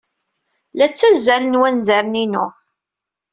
La ttazzalen wanzaren-inu.